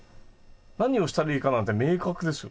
何をしたらいいかなんて明確でしょ。